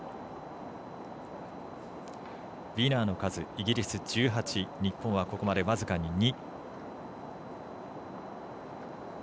ウィナーの数、イギリス１８日本はここまで僅かに２。